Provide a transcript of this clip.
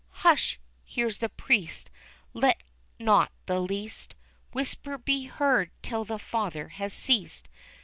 Hush! here's the Priest let not the least Whisper be heard till the father has ceased.